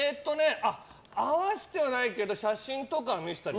会わせてはないけど写真とか見せたり。